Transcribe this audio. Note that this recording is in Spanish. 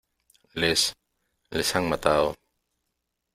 les ... les han matado .